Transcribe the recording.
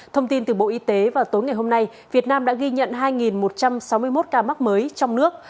thông tin từ bộ y tế vào tối ngày hôm nay việt nam đã ghi nhận hai một trăm sáu mươi một ca mắc mới trong nước